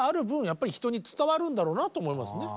やっぱり人に伝わるんだろうなと思いますね。